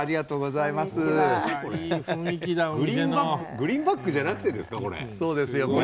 グリーンバックじゃなくてですかこれ。